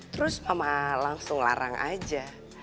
terus mama langsung larang aja